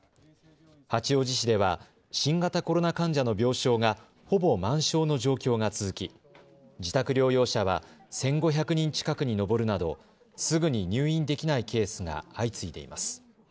八王子市では新型コロナ患者の病床がほぼ満床の状況が続き自宅療養者は１５００人近くに上るなどすぐに入院できないケースが相次いでいます。